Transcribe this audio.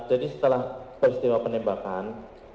jadi setelah peristiwa penembakan